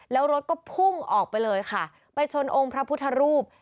แล้วรถก็พุ่งออกไปเลยค่ะไปชนองค์พระพุทธรูป